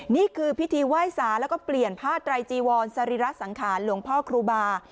นี่คือพิธีไหว้สาแล้วก็เปลี่ยนผ้าไตรจีวรสรีระสังขารหลวงพ่อครูบา